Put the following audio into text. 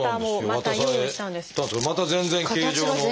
また全然形状の。